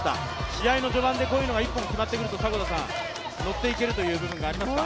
試合の序盤でこういうのが１本決まってくると、のっていけるという部分がありますか。